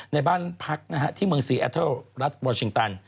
ในบ้านพักที่เมืองซีแอเทิลรัฐวอลชิงตัน